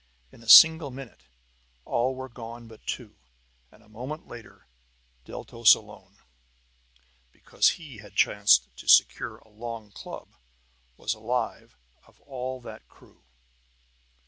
In a single minute all were gone but two; and a moment later, Deltos alone, because he had chanced to secure a long club, was alive of all that crew.